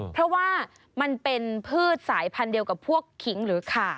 เพราะว่ามันเป็นพืชสายพันธุ์เดียวกับพวกขิงหรือขา